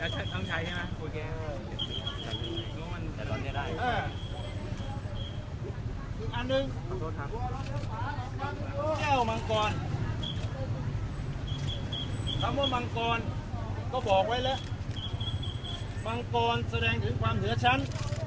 อีกอันหนึ่งแก้วมังกรคำว่ามังกรก็บอกไว้แล้วมังกรแสดงถึงความเหลือชั้น